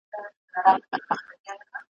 ځه ته هم پر هغه لاره چي یاران دي باندي تللي `